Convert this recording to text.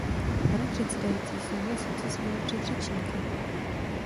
Pane předsedající, souhlasím se svými předřečníky.